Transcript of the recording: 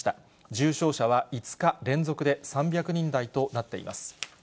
重症者は５日連続で３００人台となっています。